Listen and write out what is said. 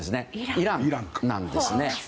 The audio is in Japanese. イランなんですね。